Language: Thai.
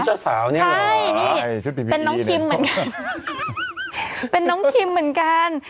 ผู้เจ้าสาวนี้แล้วเพ็นน้องคิมเหมือนกันแล้วคิมเหมือนกัน